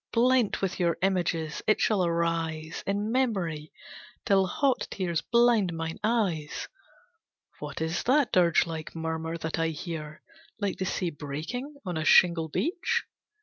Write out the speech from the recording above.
Blent with your images, it shall arise In memory, till the hot tears blind mine eyes! What is that dirge like murmur that I hear Like the sea breaking on a shingle beach?